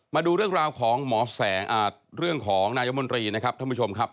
มาดูเรื่องราวของหมอแสงเรื่องของนายมนตรีนะครับท่านผู้ชมครับ